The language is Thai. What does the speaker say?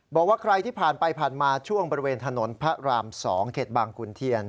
บอกว่าใครที่ผ่านไปผ่านมาช่วงบริเวณถนนพระราม๒เขตบางขุนเทียน